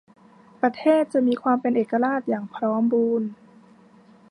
ประเทศจะมีความเป็นเอกราชอย่างพร้อมบูรณ์